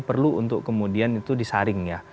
perlu untuk kemudian itu disaring ya